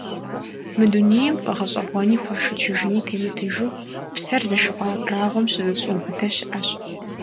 Мы дунейм фӀэгъэщӀэгъуэни хуэшэчыни темытыжу, псэр зэшыгъуэ абрагъуэм щызэщӀиубыдэ щыӀэщ.